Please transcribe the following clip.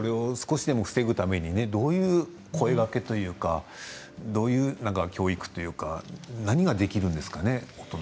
防ぐためには、どういう声がけというかどういう教育というか何ができるんですか？